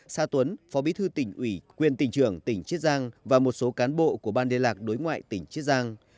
sa tuấn phó bí thư tỉnh ủy quyền tỉnh trưởng tỉnh chiết giang và một số cán bộ của ban liên lạc đối ngoại tỉnh chiết giang